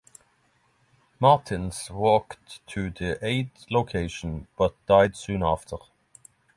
Martins walked to the aid location but died soon after.